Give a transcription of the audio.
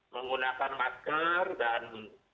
menggunakan masker dan